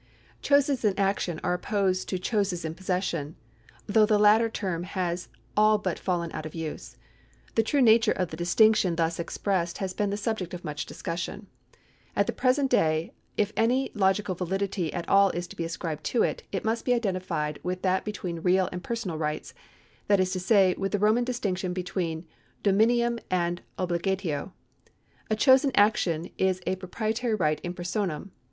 Choscs in action are opposed to choses in possession, though the latter term has all but fallen out of use. The true nature of the distinction thus expressed has been the subject of much discussion. At the present day, if any logical validity at all is to be ascribed to it, it must be identified with that between real and personal rights, that is to say, with the Roman distinction between dominium and obligatio. A chose in action is a pi'oprietary right in personam.